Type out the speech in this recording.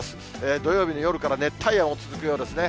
土曜日の夜から熱帯夜も続くようですね。